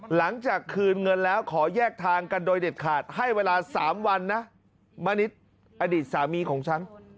หลังจากคืนเงินแล้วขอแยกทางกันโดยเด็ดขาดให้เวลา๓วันนะมณิษฐ์อดีตสามีของฉัน